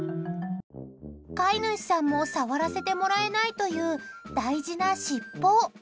飼い主さんも触らせてもらえないという大事なしっぽ。